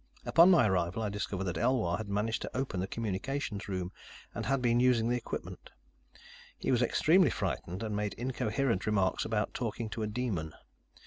Upon my arrival, I discovered that Elwar had managed to open the communications room and had been using the equipment. He was extremely frightened, and made incoherent remarks about talking to a demon.